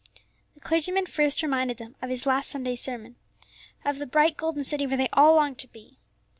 The clergyman first reminded them of his last Sunday's sermon, of the bright golden city where they all longed to be.